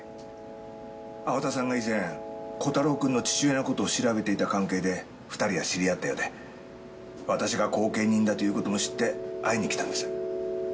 青田さんが以前コタローくんの父親の事を調べていた関係で２人は知り合ったようで私が後見人だという事も知って会いに来たんです。